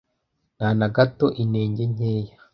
nta na gato inenge nkeya